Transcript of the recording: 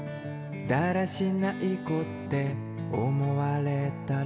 「だらしない子って思われたら？」